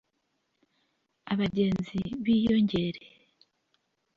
abagenzi biyongere